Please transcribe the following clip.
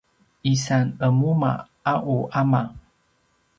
isan qemuma a u ama